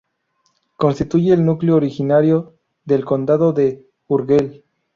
Constituye el núcleo originario del Condado de Urgel.